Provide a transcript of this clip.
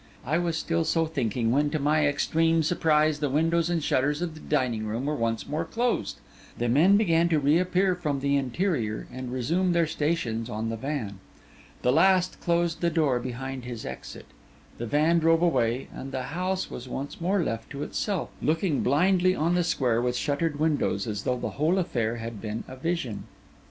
I was still so thinking when, to my extreme surprise, the windows and shutters of the dining room were once more closed; the men began to reappear from the interior and resume their stations on the van; the last closed the door behind his exit; the van drove away; and the house was once more left to itself, looking blindly on the square with shuttered windows, as though the whole affair had been a vision.